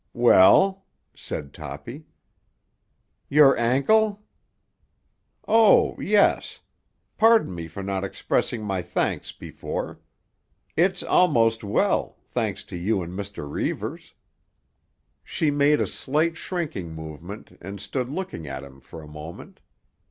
"Well?" said Toppy. "Your ankle?" "Oh, yes. Pardon me for not expressing my thanks before. It's almost well—thanks to you and Mr. Reivers." She made a slight shrinking movement and stood looking at him for a moment.